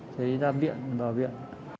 giấy giam viện bảo viện